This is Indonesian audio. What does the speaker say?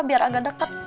biar agak deket